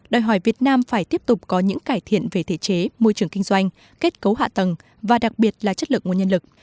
đòi hỏi việt nam phải tiếp tục có những cải thiện về thể chế môi trường kinh doanh kết cấu hạ tầng và đặc biệt là chất lượng nguồn nhân lực